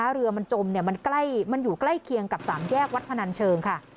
เรือมันจมมันอยู่ใกล้เคียงกับ๓แยกวัดพนันเชิงค่ะ